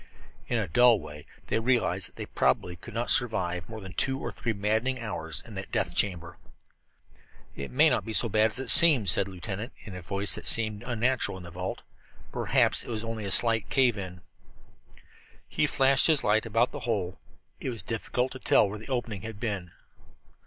In a dull way they realized that they probably could not survive more than two or three maddening hours in that death chamber. "It may not be so bad as it seems," said Lieutenant Mackinson in a voice that seemed unnatural in that vault. "Perhaps it was only a slight cave in." He flashed his light about the hole. It was difficult to tell where the opening had been.